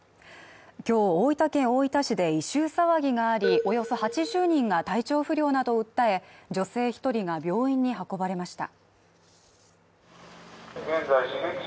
今日大分県大分市で異臭騒ぎがあり、およそ８０人が体調不良などを訴え、女性１人が病院に運ばれました。